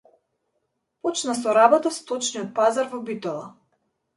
Почна со работа Сточниот пазар во Битола